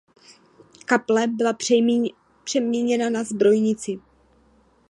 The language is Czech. Kaple byla přeměněna na zbrojnici.